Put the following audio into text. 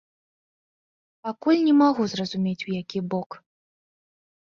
Пакуль не магу зразумець, у які бок.